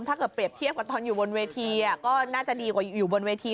ถ้าเกิดเปรียบเทียบกับตอนอยู่บนเวทีก็น่าจะดีกว่าอยู่บนเวที